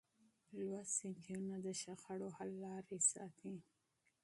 لوستې نجونې د شخړو حل لارې ساتي.